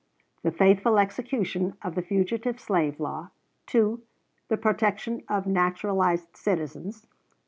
The faithful execution of the fugitive slave law. 2. The protection of naturalized citizens.